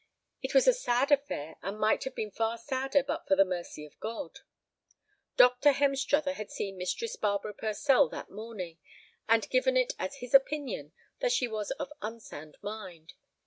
It was a sad affair, and might have been far sadder but for the mercy of God. Dr. Hemstruther had seen Mistress Barbara Purcell that morning, and given it as his opinion that she was of unsound mind.